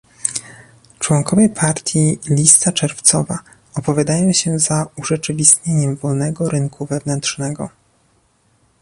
Członkowie partii Lista Czerwcowa opowiadają się za urzeczywistnieniem wolnego rynku wewnętrznego